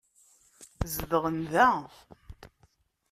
Zedɣen da.